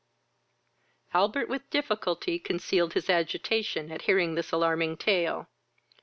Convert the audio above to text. Albert with difficulty concealed his agitation at hearing this alarming tale.